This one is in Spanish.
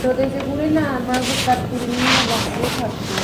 Se modificó el interior del castillo y se derribaron algunos edificios.